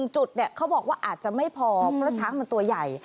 จุดเขาบอกว่าอาจจะไม่พอเพราะช้างมันตัวใหญ่